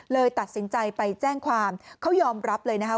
เลยตัดสินใจไปแจ้งความเขายอมรับเลยนะคะ